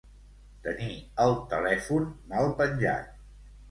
Tenir el telèfon mal penjat.